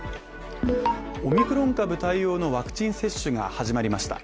オミクロン株対応のワクチン接種が始まりました。